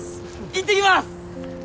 行ってきます！